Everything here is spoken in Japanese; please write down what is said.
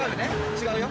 違うよ。